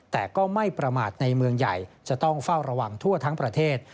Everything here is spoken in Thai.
แต่ก็ไม่ประมาทในเมืองใหญ่จะต้องเฝ้าระวังทั่วทั้งประเทศ